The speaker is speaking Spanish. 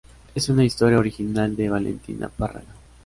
Es una historia original de Valentina Párraga.